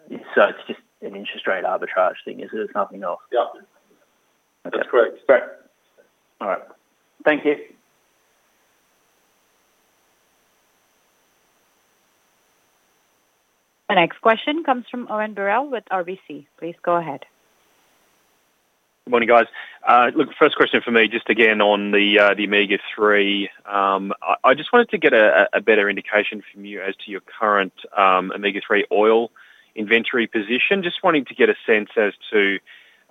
is just an interest rate arbitrage thing, is it? There is nothing else. Yeah. That's correct. Okay. All right. Thank you. The next question comes from Owen Birrell with RBC. Please go ahead. Good morning, guys. Look, first question for me, just again on the Omega 3. I just wanted to get a better indication from you as to your current Omega 3 oil inventory position. Just wanting to get a sense as to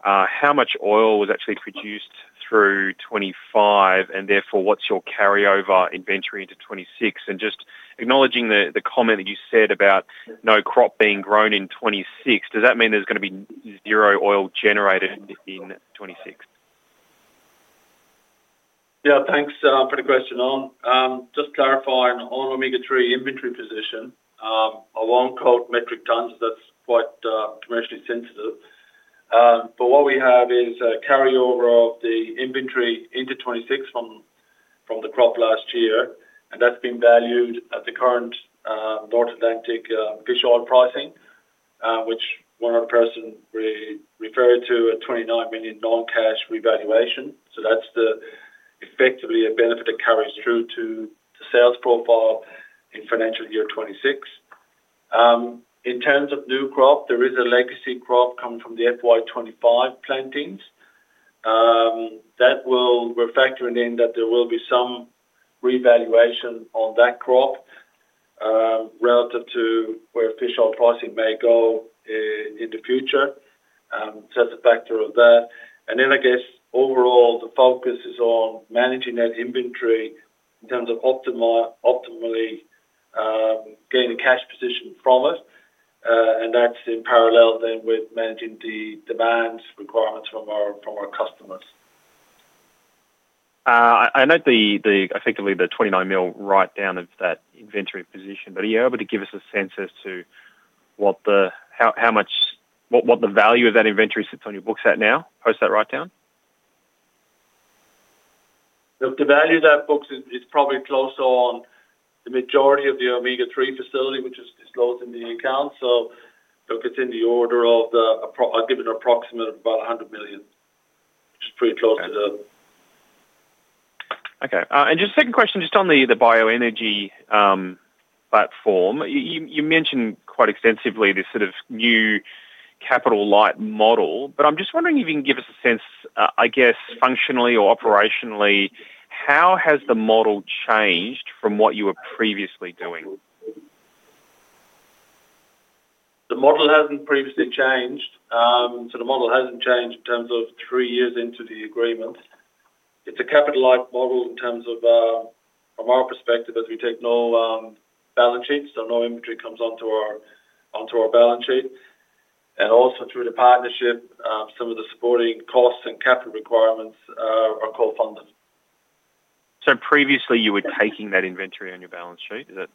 how much oil was actually produced through 2025, and therefore, what's your carryover inventory into 2026? And just acknowledging the comment that you said about no crop being grown in 2026, does that mean there's going to be zero oil generated in 2026? Yeah. Thanks for the question, Owen. Just clarifying on Omega 3 inventory position, I won't quote metric tons, because that's quite commercially sensitive. What we have is a carryover of the inventory into 2026 from the crop last year. That's been valued at the current North Atlantic fish oil pricing, which one other person referred to as a $29 million non-cash revaluation. That's effectively a benefit that carries through to the sales profile in financial year 2026. In terms of new crop, there is a legacy crop coming from the FY2025 plantings. We're factoring in that there will be some revaluation on that crop relative to where fish oil pricing may go in the future. That's a factor of that. I guess overall, the focus is on managing that inventory in terms of optimally gaining cash position from it. That's in parallel then with managing the demand requirements from our customers. I know effectively the $29 million write-down of that inventory position, but are you able to give us a sense as to how much what the value of that inventory sits on your books at now post that write-down? Look, the value of that book is probably closer on the majority of the Omega 3 facility, which is disclosed in the account. Look, it is in the order of a given approximate of about 100 million, which is pretty close to the. Okay. Just a second question, just on the bioenergy platform. You mentioned quite extensively this sort of new capital light model. I am just wondering if you can give us a sense, I guess, functionally or operationally, how has the model changed from what you were previously doing? The model hasn't previously changed. The model hasn't changed in terms of three years into the agreement. It's a capital light model in terms of, from our perspective, as we take no balance sheets. No inventory comes onto our balance sheet. Also through the partnership, some of the supporting costs and capital requirements are co-funded. Previously, you were taking that inventory on your balance sheet? Is that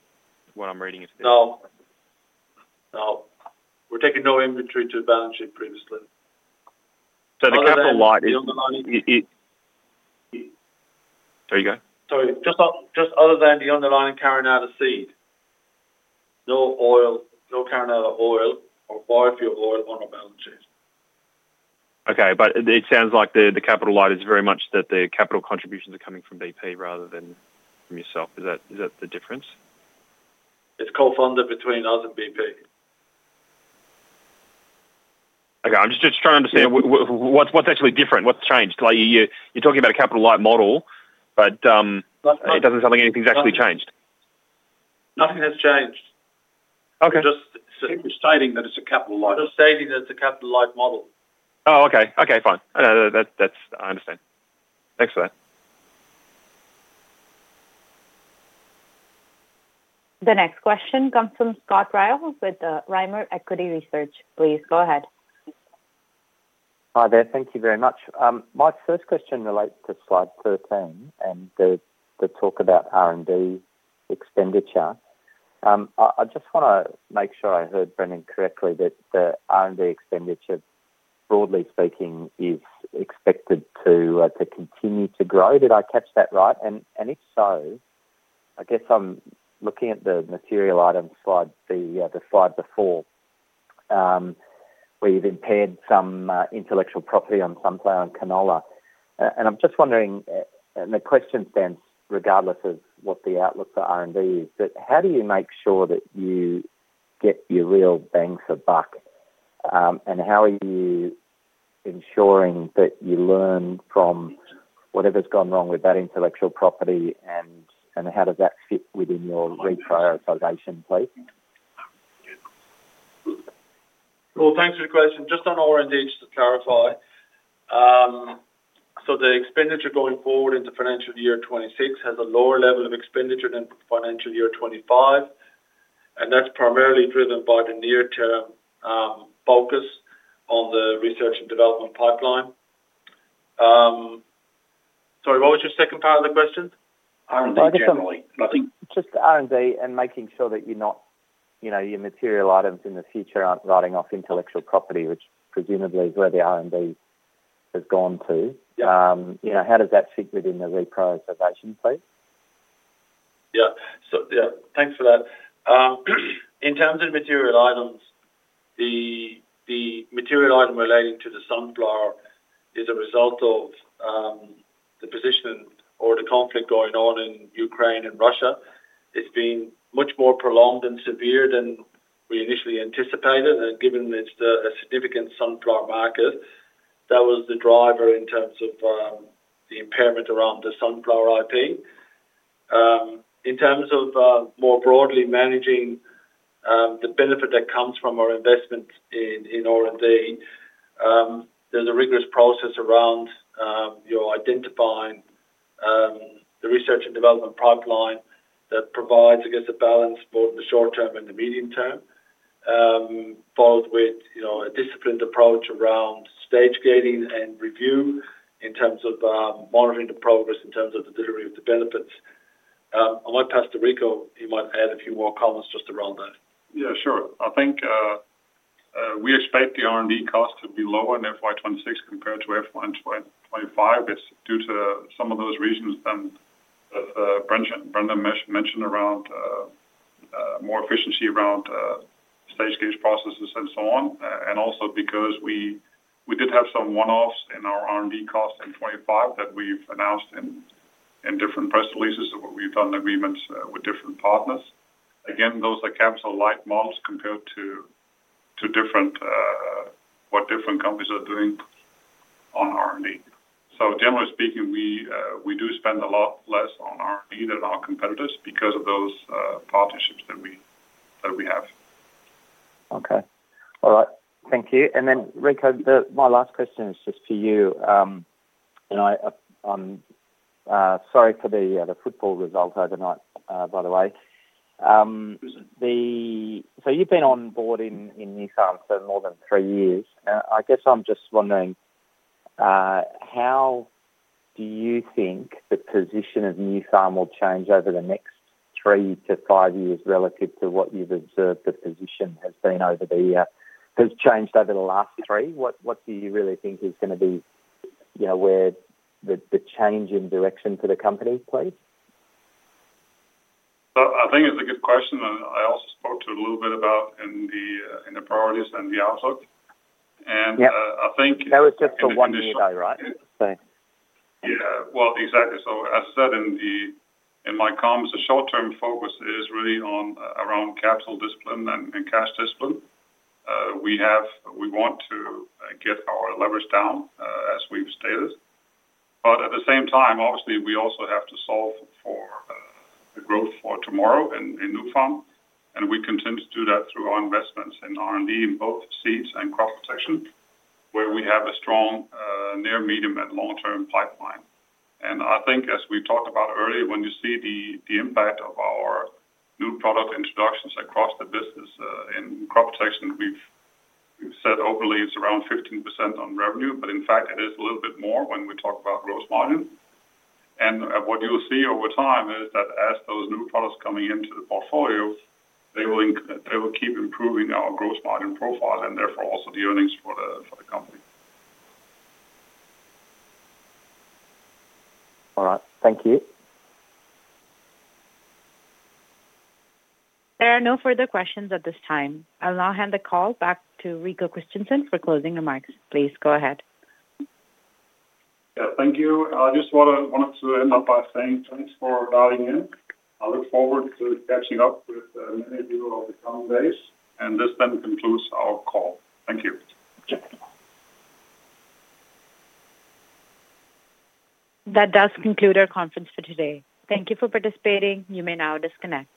what I'm reading? No. No. We're taking no inventory to the balance sheet previously. The capital light is. The underlining. There you go. Sorry. Just other than the underlying Carinata seed, no oil, no Carinata oil or biofuel oil on our balance sheet. Okay. It sounds like the capital light is very much that the capital contributions are coming from BP rather than from yourself. Is that the difference? It's co-funded between us and BP. Okay. I'm just trying to understand what's actually different? What's changed? You're talking about a capital light model, but it doesn't sound like anything's actually changed. Nothing has changed. Okay. Just stating that it's a capital light model. Oh, okay. Okay. Fine. I understand. Thanks for that. The next question comes from Scott Ryle with Rimor Equity Research. Please go ahead. Hi there. Thank you very much. My first question relates to slide 13 and the talk about R&D expenditure. I just want to make sure I heard Brendan correctly that the R&D expenditure, broadly speaking, is expected to continue to grow. Did I catch that right? If so, I guess I'm looking at the material item slide, the slide before, where you've impaired some intellectual property on some plant on canola. I'm just wondering, and the question stands regardless of what the outlook for R&D is, how do you make sure that you get your real bang for buck? How are you ensuring that you learn from whatever's gone wrong with that intellectual property? How does that fit within your reprioritization, please? Thanks for the question. Just on R&D, just to clarify. The expenditure going forward into financial year 2026 has a lower level of expenditure than financial year 2025. That is primarily driven by the near-term focus on the research and development pipeline. Sorry, what was your second part of the question? R&D generally. Just R&D and making sure that your material items in the future aren't writing off intellectual property, which presumably is where the R&D has gone to. How does that fit within the reprioritization, please? Yeah. Yeah. Thanks for that. In terms of material items, the material item relating to the sunflower is a result of the position or the conflict going on in Ukraine and Russia. It's been much more prolonged and severe than we initially anticipated. Given it's a significant sunflower market, that was the driver in terms of the impairment around the sunflower IP. In terms of more broadly managing the benefit that comes from our investment in R&D, there's a rigorous process around identifying the research and development pipeline that provides, I guess, a balance both in the short term and the medium term, followed with a disciplined approach around stage gating and review in terms of monitoring the progress in terms of the delivery of the benefits. On my part, Rico, you might add a few more comments just around that. Yeah, sure. I think we expect the R&D cost to be lower in FY2026 compared to FY2025. It's due to some of those reasons that Brendan mentioned around more efficiency around stage gate processes and so on. Also because we did have some one-offs in our R&D cost in 2025 that we've announced in different press releases of what we've done in agreements with different partners. Again, those are capsule light models compared to what different companies are doing on R&D. Generally speaking, we do spend a lot less on R&D than our competitors because of those partnerships that we have. Okay. All right. Thank you. Rico, my last question is just for you. I'm sorry for the football result overnight, by the way. You've been on board in Nufarm for more than three years. I guess I'm just wondering, how do you think the position of Nufarm will change over the next three to five years relative to what you've observed the position has been over the last three? What do you really think is going to be the change in direction for the company, please? I think it's a good question. I also spoke to it a little bit about in the priorities and the outlook. I think. Yeah. That was just for one year, though, right? Exactly. As I said in my comments, the short-term focus is really around capital discipline and cash discipline. We want to get our leverage down as we've stated. At the same time, obviously, we also have to solve for the growth for tomorrow in Nufarm. We continue to do that through our investments in R&D in both seeds and crop protection, where we have a strong near-medium and long-term pipeline. I think, as we talked about earlier, when you see the impact of our new product introductions across the business in crop protection, we've said openly it's around 15% on revenue. In fact, it is a little bit more when we talk about gross margin. What you'll see over time is that as those new products coming into the portfolio, they will keep improving our gross margin profile and therefore also the earnings for the company. All right. Thank you. There are no further questions at this time. I'll now hand the call back to Rico Christensen for closing remarks. Please go ahead. Yeah. Thank you. I just wanted to end up by saying thanks for dialing in. I look forward to catching up with many of you over the coming days. This then concludes our call. Thank you. That does conclude our conference for today. Thank you for participating. You may now disconnect.